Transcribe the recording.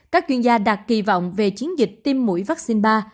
các chuyên gia đặt kỳ vọng về chiến dịch tiêm mũi vaccine ba